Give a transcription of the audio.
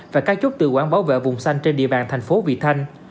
và các chốt tự quản bảo vệ vùng xanh trên địa bàn thành phố vị thanh